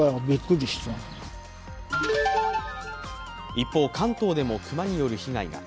一方、関東でも熊による被害が。